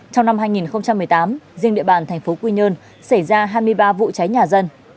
trong năm hai nghìn một mươi tám riêng địa bàn thành phố quy nhơn xảy ra hai mươi ba vụ cháy nhà dân